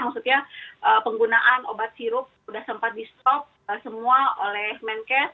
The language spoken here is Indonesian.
maksudnya penggunaan obat sirup sudah sempat di stop semua oleh menkes